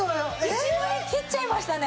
１万円切っちゃいましたね。